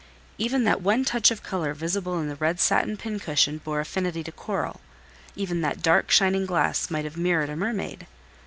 Even that one touch of colour visible in the red satin pincushion bore affinity to coral; even that dark, shining glass might have mirrored a mermaid.